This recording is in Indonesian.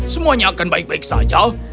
semuanya akan baik baik saja